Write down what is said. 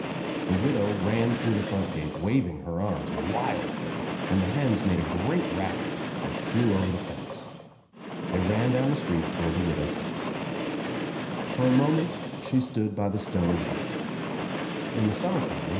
The widow ran through the front gate waving her arms wildly and the hens made a great racket and flew over the fence. They ran down the street toward the widow's house. For a moment she stood by the Stoner gate. In the summer time when